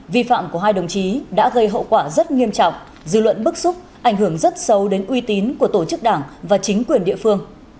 vi phạm của hai đồng chí đã gây hậu quả rất nghiêm trọng dư luận bức xúc ảnh hưởng rất sâu đến uy tín của tổ chức đảng và chính quyền địa phương